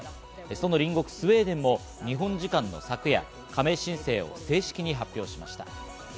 その隣国、スウェーデンも日本時間の昨夜、加盟申請を正式に発表しました。